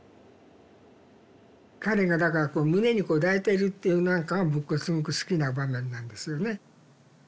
彼がだからこう胸にこう抱いてるっていうのなんかは僕はすごく好きな場面なんですよね。